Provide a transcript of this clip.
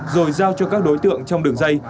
rồi giao cho các đối tượng trong đường dây